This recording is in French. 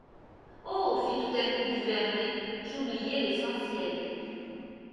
Oh ! fit tout à coup Duvernet, j'oubliais l'essentiel.